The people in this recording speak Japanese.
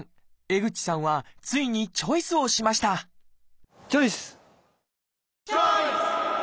江口さんはついにチョイスをしましたチョイス！